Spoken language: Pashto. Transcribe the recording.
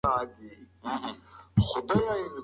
سیند د بېلتون د یو سمبول په توګه کارول شوی.